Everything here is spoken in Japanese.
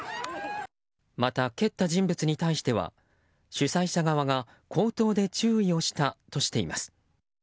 また蹴った人物に対しては主催者側が口頭で注意をしたとしています。